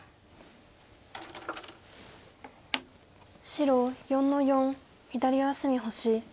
白４の四左上隅星。